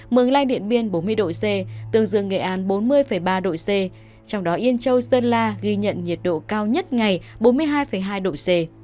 mường lai điện biên bốn mươi độ c tương dương nghệ an bốn mươi ba độ c trong đó yên châu sơn la ghi nhận nhiệt độ cao nhất ngày bốn mươi hai hai độ c